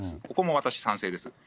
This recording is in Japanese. ここも私、賛成です。